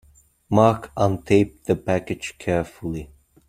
Mark untaped the package carefully.